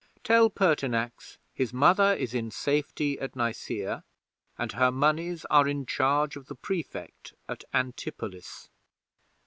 Tell Pertinax his Mother is in safety at Nicaea, and her monies are in charge of the Prefect at Antipolis.